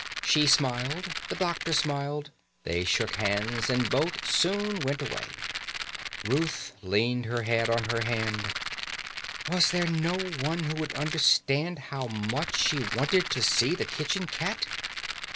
She smiled, the doctor smiled, they shook hands and both soon went away. Ruth leant her head on her hand. Was there no one who would understand how much she wanted to see the kitchen cat?